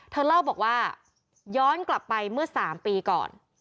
เธอเล่าบอกว่าย้อนกลับไปเมื่อ๓ปีก่อน